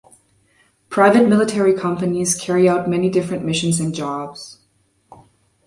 Private military companies carry out many different missions and jobs.